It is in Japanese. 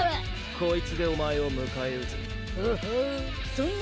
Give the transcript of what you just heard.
コイツでお前を迎え撃つ。